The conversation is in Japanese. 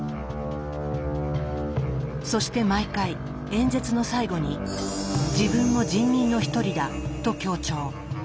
そして毎回演説の最後に「自分も人民の一人だ」と強調。